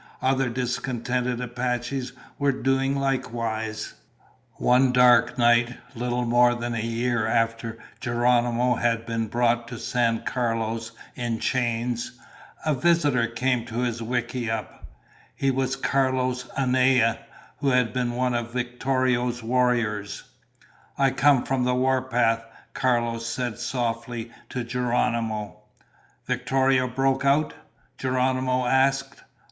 Other discontented Apaches were doing likewise. One dark night, little more than a year after Geronimo had been brought to San Carlos in chains, a visitor came to his wickiup. He was Carlos Anaya, who had been one of Victorio's warriors. "I come from the warpath," Carlos said softly to Geronimo. "Victorio broke out?" Geronimo asked.